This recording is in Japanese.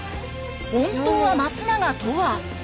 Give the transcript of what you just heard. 「本当は松永」とは？